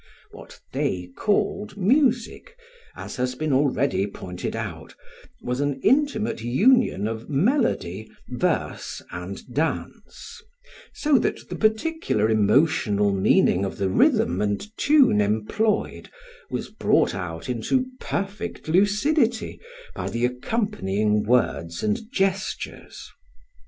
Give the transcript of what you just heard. What they called "music," as has been already pointed out, was an intimate union of melody, verse and dance, so that the particular emotional meaning of the rhythm and tune employed was brought out into perfect lucidity by the accompanying words and gestures.